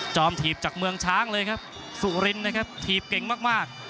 ถีบจากเมืองช้างเลยครับสุรินนะครับถีบเก่งมากมาก